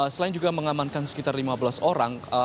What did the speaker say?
selain juga mengamankan sekitar lima belas orang